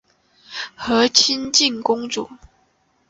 和硕悫靖公主。